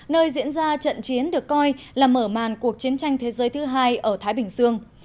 nơi diễn ra trận chiến được coi là mở màn cuộc chiến tranh thế giới thứ hai ở thái bình dương